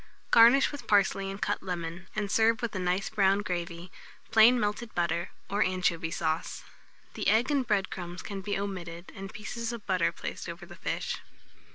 Garnish with parsley and cut lemon, and serve with a nice brown gravy, plain melted butter, or anchovy sauce. The egg and bread crumbs can be omitted, and pieces of butter placed over the fish.